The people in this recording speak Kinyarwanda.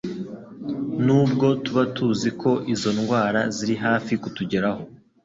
Nubwo tuba tuzi ko izo ndwara ziri hafi kutugeraho,